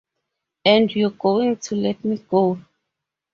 And you're going to let me go!